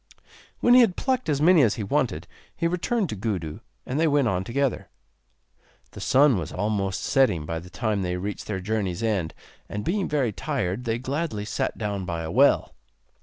When he had plucked as many as he wanted he returned to Gudu, and they went on together. The sun was almost setting by the time they reached their journey's end and being very tired they gladly sat down by a well.